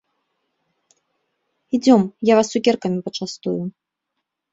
Ідзём, я вас цукеркамі пачастую.